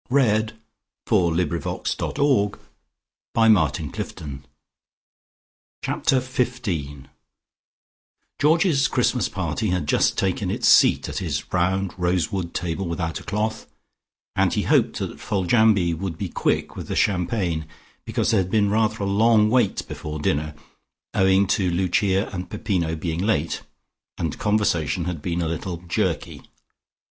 He had not fallen short of her standard.... Chapter FIFTEEN Georgie's Christmas party had just taken its seats at his round rosewood table without a cloth, and he hoped that Foljambe would be quick with the champagne, because there had been rather a long wait before dinner, owing to Lucia and Peppino being late, and conversation had been a little jerky.